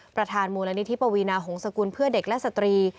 ประธานมูลนิธิปวีนาหงษกุลเพื่อเด็กและสตรี